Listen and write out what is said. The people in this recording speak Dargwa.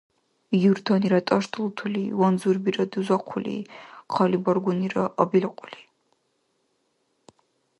Юртанира тӀашдалтули, ванзурбира дузахъули, хъалибаргунира абилкьули…